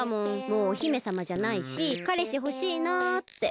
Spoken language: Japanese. もうお姫さまじゃないしかれしほしいなあって。